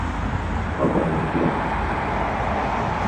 A parede tremía.